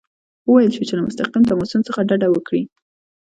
وویل شول چې له مستقیم تماسونو څخه ډډه وکړي.